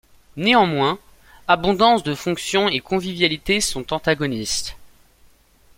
Néanmoins, abondance de fonctions et convivialité sont antagonistes.